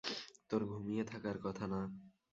তোর ঘুমিয়ে থাকার কথা না?